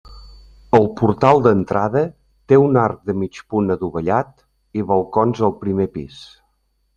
El portal d'entrada té un arc de mig punt adovellat i balcons al primer pis.